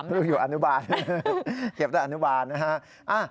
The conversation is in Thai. ลูกอยู่อนุบาลเก็บได้อนุบาลนะฮะ